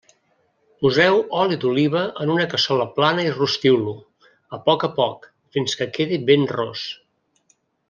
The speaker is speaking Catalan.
Poseu oli d'oliva en una cassola plana i rostiu-lo, a poc a poc, fins que quedi ben ros.